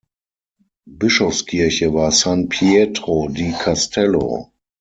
Bischofskirche war San Pietro di Castello.